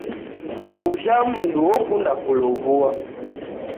Ujha mdu okunda kulow'ua.